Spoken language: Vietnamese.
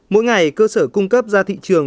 mỗi ngày cơ sở cung cấp ra thị trường